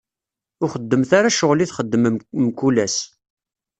Ur xeddmet ara ccɣel i txeddmem mkul ass.